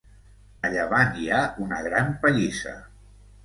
A llevant hi ha una gran pallissa.